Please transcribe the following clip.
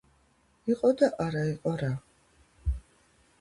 იყო და არა იყო